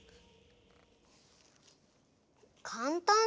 かんたん